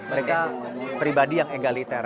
mereka pribadi yang egaliter